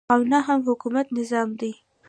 او نه هم حکومت نظام دی.